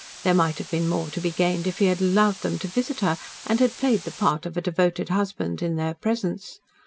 There might have been more to be gained if he had allowed them to visit her and had played the part of a devoted husband in their presence.